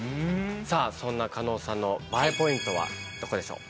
さあそんな加納さんのＢＡＥポイントはどこでしょう？